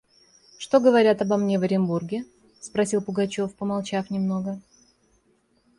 – Что говорят обо мне в Оренбурге? – спросил Пугачев, помолчав немного.